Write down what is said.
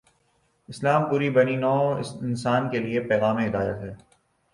اسلام پوری بنی نوع انسان کے لیے پیغام ہدایت ہے۔